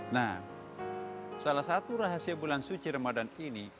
nah salah satu rahasia bulan suci ramadan ini